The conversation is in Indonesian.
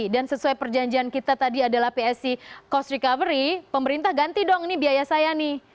dan sesuai perjanjian kita tadi adalah psc cost recovery pemerintah ganti dong ini biaya saya nih